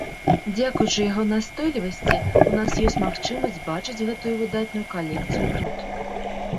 Дзякуючы яго настойлівасці, у нас ёсць магчымасць бачыць гэтую выдатную калекцыю тут.